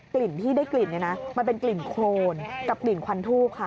กลิ่นที่ได้กลิ่นมันเป็นกลิ่นโครนกับกลิ่นควันทูกค่ะ